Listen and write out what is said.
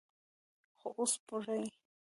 خو اوسه پورې